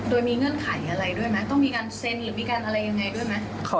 โดยมีเงื่อนไขอะไรด้วยไหมต้องมีการเซ็นหรือมีการอะไรยังไงด้วยไหม